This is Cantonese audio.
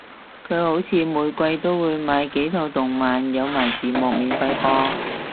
佢好似每季都會買幾套動漫有埋字幕免費播